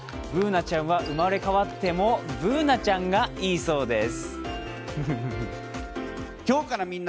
Ｂｏｏｎａちゃんは、生まれ変わってもＢｏｏｎａちゃんがいいそうです！